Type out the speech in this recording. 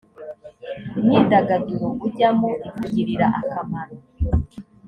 imyidagaduro ujyamo ikugirira akamaro